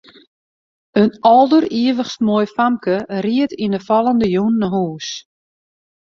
In alderivichst moai famke ried yn 'e fallende jûn nei hús.